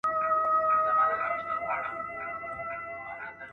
افغانستان د نړیوالو تړونونو د لغوه کولو پرېکړه نه کوي.